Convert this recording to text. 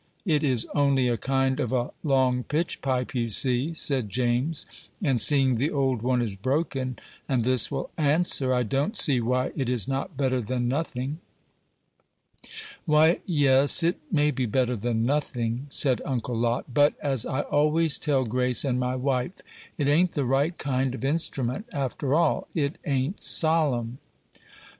It is only a kind of a long pitchpipe, you see," said James; "and, seeing the old one is broken, and this will answer, I don't see why it is not better than nothing." "Why, yes, it may be better than nothing," said Uncle Lot; "but, as I always tell Grace and my wife, it ain't the right kind of instrument, after all; it ain't solemn."